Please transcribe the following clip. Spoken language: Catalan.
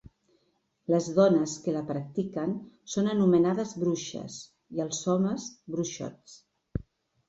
Les dones que la practiquen són anomenades bruixes, i els homes, bruixots.